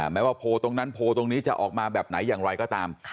แม้ว่าโพลตรงนั้นโพลตรงนี้จะออกมาแบบไหนอย่างไรก็ตาม